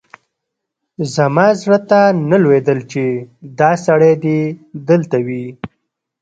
زما زړه ته نه لوېدل چې دا سړی دې دلته وي.